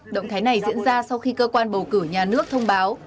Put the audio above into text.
động thái này diễn ra sau khi cơ quan bầu cử nhà nước thông báo